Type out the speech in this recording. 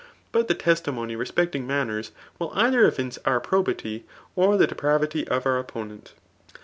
But the testimony respecting manners, will either evince our probity, or the depravity of our opponent.